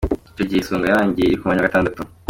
Icyo gihe Isonga yarangiye iri ku mwanya wa gatandatu.